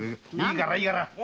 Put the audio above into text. いいから！